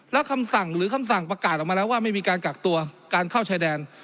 แล้วคำสั่งหรือคำสั่งประกาศออกมาแล้วว่าไม่มีการกักตัวการเข้าชายแดน